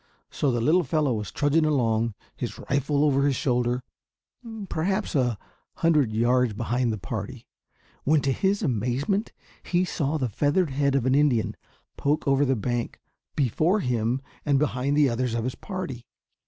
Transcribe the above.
So the little fellow was trudging along, his rifle over his shoulder, perhaps a hundred yards behind the party, when to his amazement he saw the feathered head of an Indian poke over the bank before him and behind the others of his party.